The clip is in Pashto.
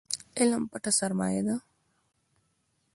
علم پټه سرمايه ده